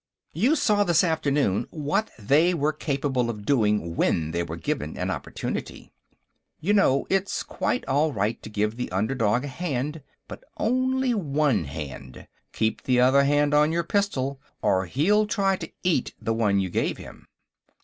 You saw, this afternoon, what they were capable of doing when they were given an opportunity. You know, it's quite all right to give the underdog a hand, but only one hand. Keep the other hand on your pistol or he'll try to eat the one you gave him!